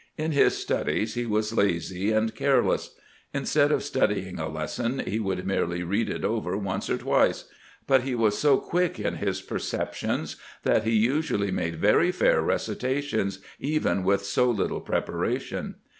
In his studies he was lazy and careless. In stead of studying a lesson, he would merely read it over once or twice ; but he was so quick in his perceptions that he usually made very fair recitations Qven with so little preparation.